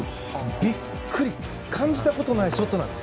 ビックリ！感じたことないショットなんです。